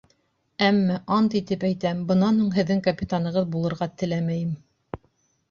Әммә, ант итеп әйтәм, бынан һуң һеҙҙең капитанығыҙ булырға теләмәйем.